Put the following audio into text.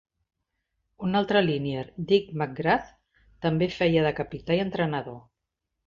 Un altre linier, Dick McGrath, també feia de capità i entrenador.